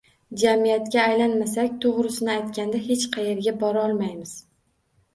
Jamiyatga aylanmasak, to‘g‘risini aytganda, hech qayerga borolmaymiz.